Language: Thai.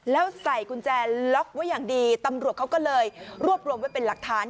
แล้วใส่กุญแจล็อกไว้อย่างดีตำรวจเขาก็เลยรวบรวมไว้เป็นหลักฐาน